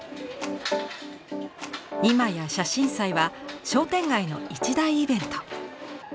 今や写真祭は商店街の一大イベント。